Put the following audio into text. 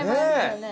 ねえ。